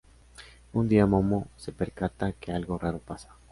Un día Momo se percata que algo raro pasa.